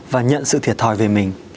và nhận sự thiệt thòi về mình